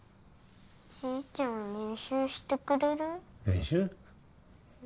じいちゃん練習してくれる？